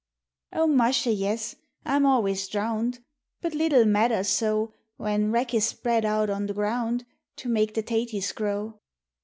O musha, yis, I'm always dhrowned ; But little matther, so — When wrack is spread out on the ground To make the taties grow